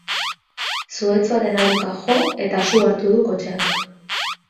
Zuhaitz baten aurka jo eta su hartu du kotxeak.